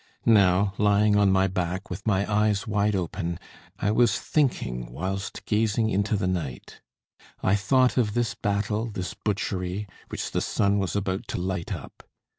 Now, lying on my back, with my eyes wide open, I was thinking whilst gazing into the night, I thought of this battle, this butchery, which the sun was about to light up.